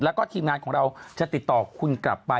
แล้วก็ทีมงานของเราจะติดต่อคุณกลับไป